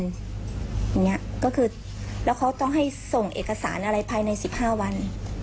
อย่างนี้ก็คือแล้วเขาต้องให้ส่งเอกสารอะไรภายใน๑๕วัน